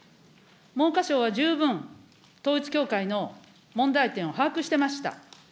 文科省は十分、統一教会の問題点を把握していました。